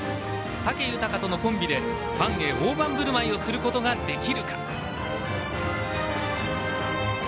武豊とのコンビで、ファンへ大盤振る舞いをする事ができるか。